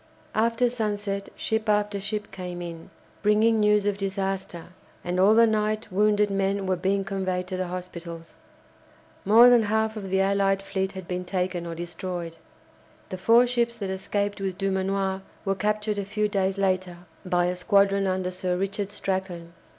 After sunset ship after ship came in, bringing news of disaster, and all the night wounded men were being conveyed to the hospitals. More than half the allied fleet had been taken or destroyed. The four ships that escaped with Dumanoir were captured a few days later by a squadron under Sir Richard Strachan.